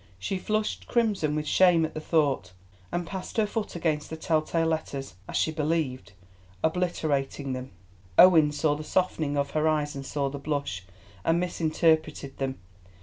She flushed crimson with shame at the thought, and passed her foot across the tell tale letters, as she believed, obliterating them. Owen saw the softening of her eyes and saw the blush, and misinterpreted them.